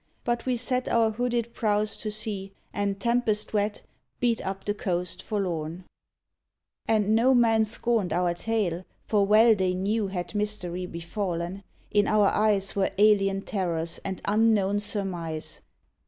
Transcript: But we set Our hooded prows to sea, and, tempest wet, Beat up the coast forlorn. 56 THE SWIMMERS And no man scorned our tale, for well they knew Had mystery befallen: in our eyes Were alien terrors and unknown surmise.